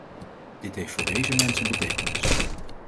Dit heeft voor deze mensen betekenis.